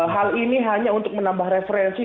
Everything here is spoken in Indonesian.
hal ini hanya untuk menambah referensi